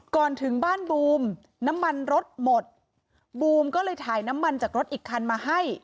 ก่อนถึงบ้านบูมน้ำมันรถหมดบูมก็เลยถ่ายน้ำมันจากรถอีกคันมาให้